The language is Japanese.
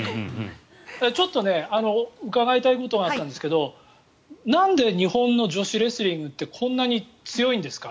ちょっと伺いたいことがあったんですけどなんで日本の女子レスリングってこんなに強いんですか？